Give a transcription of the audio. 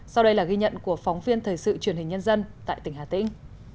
sau đây là ghi nhận của phóng viên thời sự truyền hình nhân dân tại tỉnh hà tĩnh